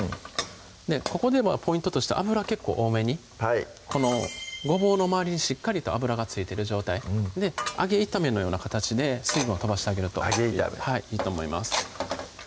ここではポイントとして油結構多めにこのごぼうの周りにしっかりと油が付いてる状態揚げ炒めのような形で水分を飛ばしてあげるといいと思います